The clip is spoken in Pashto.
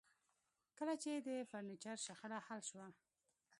کله چې د فرنیچر شخړه حل شوه